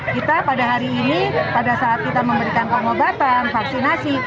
kita pada hari ini pada saat kita memberikan pengobatan vaksinasi